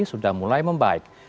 sudah mulai membaik